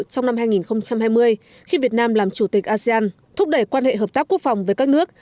trong năm hai nghìn hai mươi khi việt nam làm chủ tịch asean thúc đẩy quan hệ hợp tác quốc phòng với các nước